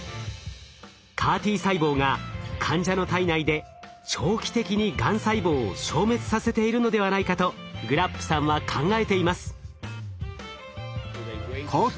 ＣＡＲ−Ｔ細胞が患者の体内で長期的にがん細胞を消滅させているのではないかとグラップさんは考えています。